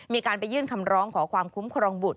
มีการไปยื่นคำร้องขอความคุ้มครองบุตร